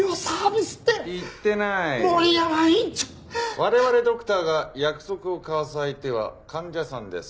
我々ドクターが約束を交わす相手は患者さんです。